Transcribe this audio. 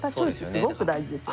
すごく大事ですよね。